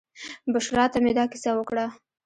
بشرا ته مې دا کیسه وکړه.